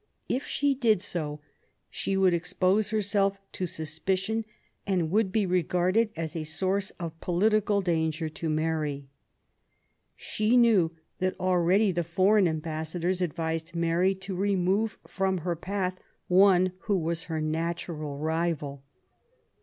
If she did so, she would expose herself to suspicion, and would be regarded as a source of political danger to Mary. She knew that already the foreign ambas sadors advised Mary to remove from her path one who was her natural rival.